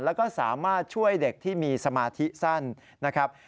แล้วก็สามารถช่วยเด็กที่มีสมาธิสั้นนะครับ